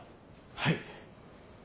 はい。